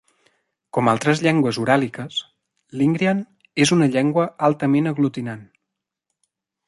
Com altres llengües uràliques, l'ingrian és una llengua altament aglutinant.